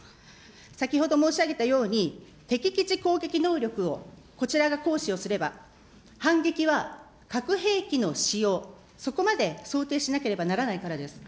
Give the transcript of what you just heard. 先ほど申し上げたように、敵基地攻撃能力をこちらが行使をすれば、反撃は核兵器の使用、そこまで想定しなければならないからです。